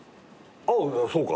ああそうか。